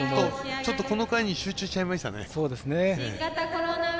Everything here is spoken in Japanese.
ちょっと、この回に集中しちゃいましたね。